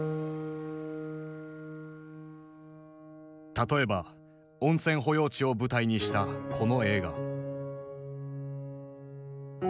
例えば温泉保養地を舞台にしたこの映画。